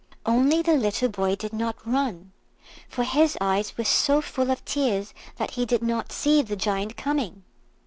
Only the little boy did not run, for his eyes were so full of tears that he did not see the Giant coming.